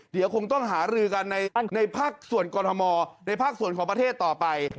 เดี๋ยวคงต้องหารือกันในภาคส่วนกรทมในภาคส่วนของประเทศต่อไป